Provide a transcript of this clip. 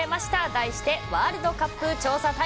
題して、ワールドカップ調査隊。